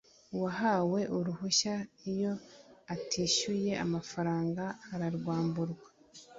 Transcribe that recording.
uwahawe uruhushya iyo atishyuye amafaranga ararwamburwa.